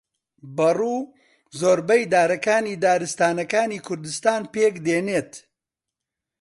بەڕوو زۆربەی دارەکانی دارستانەکانی کوردستان پێک دێنێت